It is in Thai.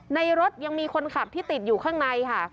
ในรถยังมีคนขับที่ติดอยู่ข้างในค่ะ